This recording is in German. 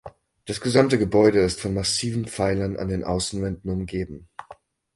Das gesamte Gebäude ist von massiven Pfeilern an den Außenwänden umgeben.